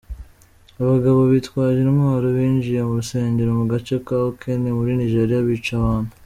Abagabo bitwaje intwaro binjiye mu rusengero mu gace ka Okene muri Nigeria bica abantu .